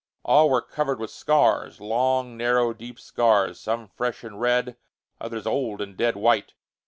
All were covered with scars; long, narrow, deep scars, some fresh and red, others old and dead white.